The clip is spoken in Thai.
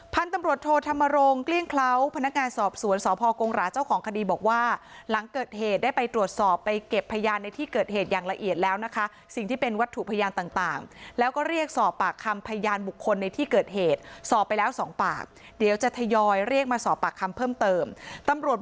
พันธุ์ตำรวจโทธรรมโรงเกลี้ยงเคล้าพนักงานสอบสวนสพกงหราเจ้าของคดีบอกว่าหลังเกิดเหตุได้ไปตรวจสอบไปเก็บพยานในที่เกิดเหตุอย่างละเอียดแล้วนะคะสิ่งที่เป็นวัตถุพยานต่างแล้วก็เรียกสอบปากคำพยานบุคคลในที่เกิดเหตุสอบไปแล้วสองปากเดี๋ยวจะทยอยเรียกมาสอบปากคำเพิ่มเติมตำรวจ